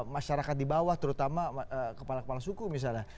masyarakat di bawah terutama kepala kepala suku misalnya